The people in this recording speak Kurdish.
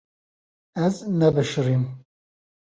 Ez nebişirîm.